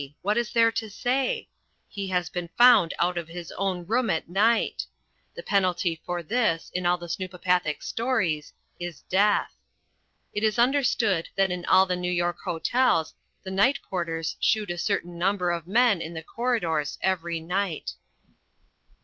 What is there to say? He has been found out of his own room at night. The penalty for this in all the snoopopathic stories is death. It is understood that in all the New York hotels the night porters shoot a certain number of men in the corridors every night.